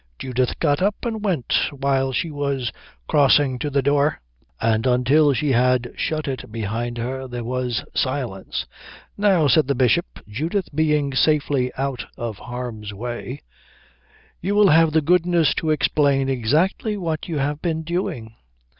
Judith got up and went. While she was crossing to the door and until she had shut it behind her there was silence. "Now," said the Bishop, Judith being safely out of harm's way, "you will have the goodness to explain exactly what you have been doing."